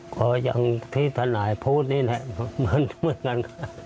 ก็ยังทิศนาภูตนี้แหละเหมือนกัน